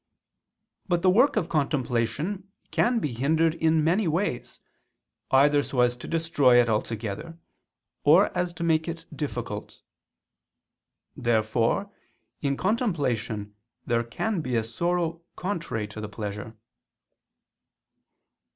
But the work of contemplation can be hindered in many ways, either so as to destroy it altogether, or as to make it difficult. Therefore in contemplation there can be a sorrow contrary to the pleasure.